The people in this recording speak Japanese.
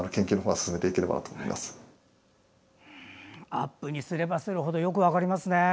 アップにすればする程よく分かりますね。